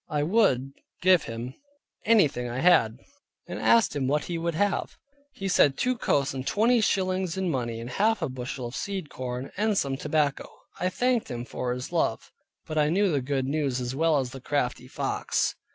I would [give him] anything I had, and asked him what he would have? He said two coats and twenty shillings in money, and half a bushel of seed corn, and some tobacco. I thanked him for his love; but I knew the good news as well as the crafty fox.